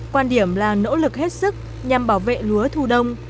quan điểm là nỗ lực hết sức nhằm bảo vệ lúa thu đông